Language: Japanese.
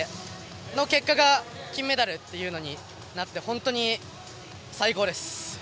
その結果が金メダルとなって本当に最高です。